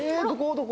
どこ？